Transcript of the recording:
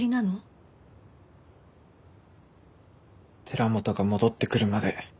寺本が戻ってくるまで。